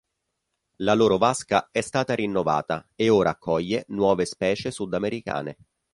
La loro vasca è stata rinnovata e ora accoglie nuove specie sudamericane.